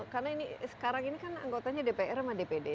karena ini sekarang ini kan anggotanya dpr sama dpd